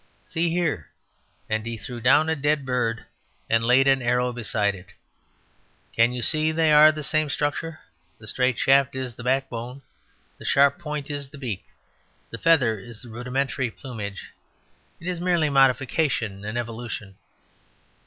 See here," and he threw down a dead bird and laid an arrow beside it. "Can't you see they are the same structure. The straight shaft is the backbone; the sharp point is the beak; the feather is the rudimentary plumage. It is merely modification and evolution."